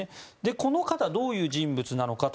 この方、どういう人物なのかと。